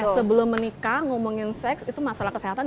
sebelum menikah ngomongin seks itu masalah kesehatan